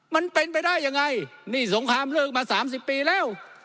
มันเป็นไปได้ยังไงนี่สงครามเลิกมา๓๐ปีแล้ว